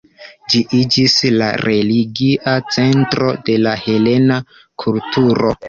Ĝi iĝis la religia centro de la helena kulturo.